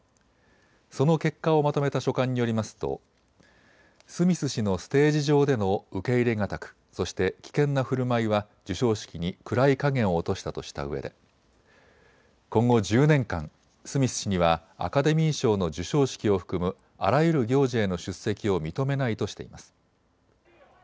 その結果をまとめた書簡によりますとスミス氏のステージ上での受け入れ難く、そして危険なふるまいは授賞式に暗い影を落としたとしたうえで今後１０年間、スミス氏にはアカデミー賞の授賞式を含むあらゆる行事への出席を認めないとしています。